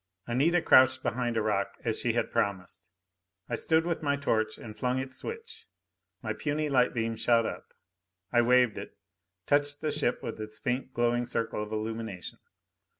Anita crouched behind a rock, as she had promised. I stood with my torch and flung its switch. My puny light beam shot up. I waved it, touched the ship with its faint glowing circle of illumination.